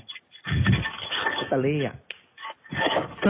รถตะลี่อ่ะ